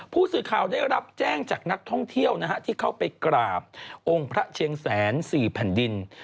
ผู้สื่อข่าวได้รับแจ้งจากนักท่องเที่ยวที่เข้าไปกราบองค์พระเชียงแสน๔แผ่นดิน